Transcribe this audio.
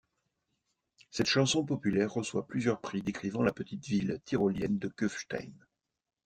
Cette chanson populaire reçoit plusieurs prix, décrivant la petite ville Tyrolienne de Kufstein.